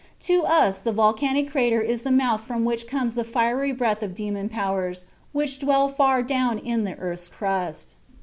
To us the volcanic crater is the mouth from which comes the fiery breath of demon powers which dwell far down in the earth's crust.